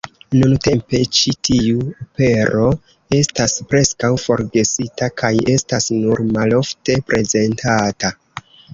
Nuntempe ĉi tiu opero estas preskaŭ forgesita kaj estas nur malofte prezentata.